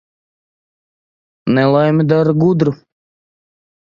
Nelaime dara gudru.